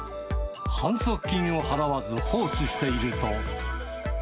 反則金を払わず放置していると。